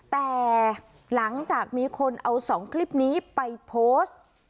แต่หลังจากมีคนเอา๒คลิปนี้ไปโพสต์